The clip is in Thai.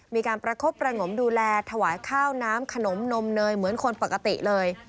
มีการประคบประงมดูแลถวายข้าวน้ำขนมนมเนยเหมือนคนปกติเลย